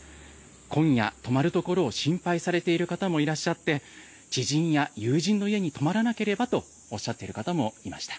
今夜、泊まる所を心配されている方もいらっしゃって知人や友人の家に泊まらなければとおっしゃっている方もいました。